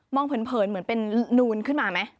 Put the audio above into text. เผินเหมือนเป็นนูนขึ้นมาไหม